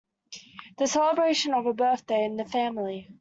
The celebration of a birthday in the family.